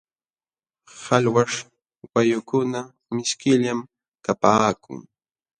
Qalwaśh wayukuna mishkillam kapaakun.